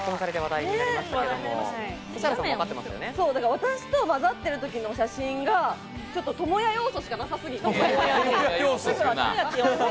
私とまざってる時の写真がちょっと倫也要素しかなさすぎて。